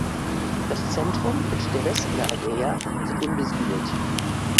Das Zentrum und der Westen der Aldeia sind unbesiedelt.